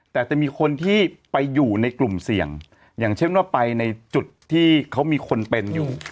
แต่จะมีคนที่ไปอยู่ในกลุ่มเสี่ยงอย่างเช่นว่าไปในจุดที่เขามีคนเป็นอยู่